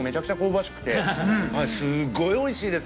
すごいおいしいです！